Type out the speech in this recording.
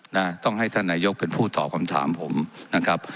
นะต้องให้ท่านนายกเป็นผู้ตอบคำถามผมนะครับ